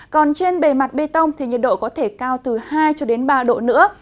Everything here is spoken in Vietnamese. còn trên bề mặt bê tông nhiệt độ có thể cao từ hai ba độ nữa